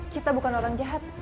kita bukan orang jahat